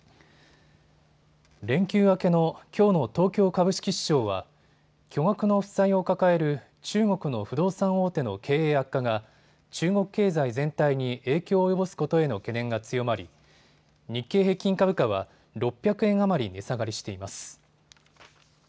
連休明けのきょうの東京株式市場は巨額の負債を抱える中国の不動産大手の経営悪化が中国経済全体に影響を及ぼすことへの懸念が強まり日経平均株価は６００円余り値下がりしています。